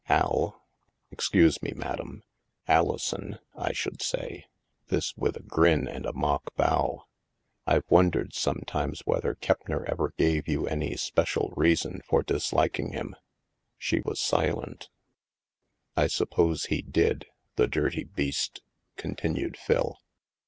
"Al, — excuse me, Madame, — Alison, I should say," (this with a grin and a mock bow) "I've wondered sometimes whether Keppner ever gave you any special reason for disliking him ?" She was silent. "I suppose he did, the dirty beast," continued Phil.